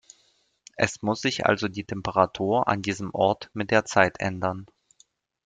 Es muss sich also die Temperatur an diesem Ort mit der Zeit ändern.